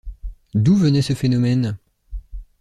D’où venait ce phénomène?